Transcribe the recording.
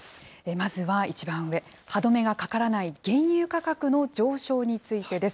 まずは一番上、歯止めがかからない原油価格の上昇についてです。